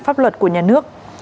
pháp luật của nhà nước